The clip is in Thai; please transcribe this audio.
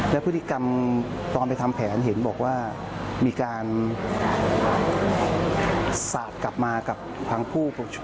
และพฤติกรรมตอนไปทำแผนเห็นบอกว่ามีการสาดกลับมากับทางผู้ช่วย